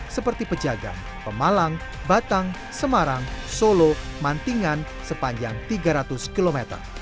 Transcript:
seperti pejaga pemalang batang semarang solo mantingan sepanjang tiga ratus km